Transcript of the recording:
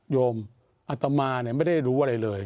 โยมอัตมาไม่ได้รู้อะไรเลย